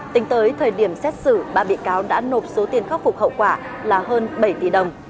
tính tới thời điểm xét xử ba bị cáo đã nộp số tiền khắc phục hậu quả là hơn bảy tỷ đồng